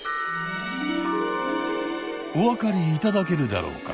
おわかりいただけるだろうか。